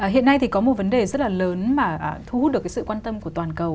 hiện nay thì có một vấn đề rất là lớn mà thu hút được cái sự quan tâm của toàn cầu